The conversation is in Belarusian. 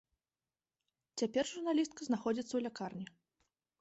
Цяпер журналістка знаходзіцца ў лякарні.